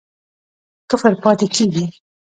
کفر پاتی کیږي؟